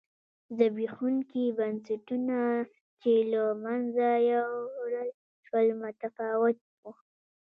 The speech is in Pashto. زبېښونکي بنسټونه چې له منځه یووړل شول متفاوت و.